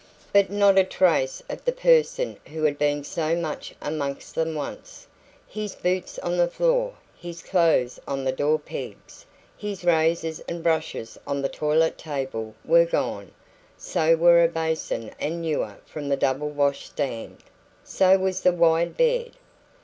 But not a trace of the person who had been so much amongst them once. His boots on the floor, his clothes on the door pegs, his razors and brushes on the toilet table were gone; so were a basin and ewer from the double wash stand; so was the wide bed.